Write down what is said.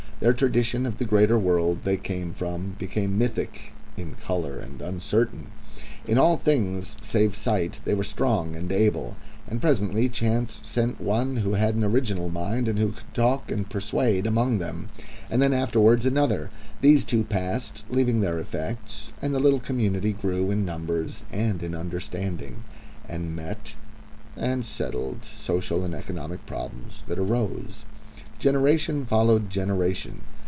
Their tradition of the greater world they came from became mythical in colour and uncertain. In all things save sight they were strong and able, and presently the chance of birth and heredity sent one who had an original mind and who could talk and persuade among them, and then afterwards another. These two passed, leaving their effects, and the little community grew in numbers and in understanding, and met and settled social and economic problems that arose. Generation followed generation.